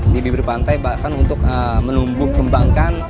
di bibir pantai bahkan untuk menumbuh kembangkan